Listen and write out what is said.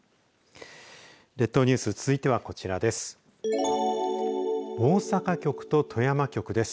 列島ニュース続いてはこちらです。